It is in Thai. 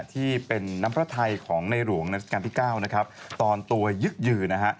ที่เป็นน้ำพระไทยของในหลวงราชการที่๙นะครับตอนตัวยึกยือนะฮะ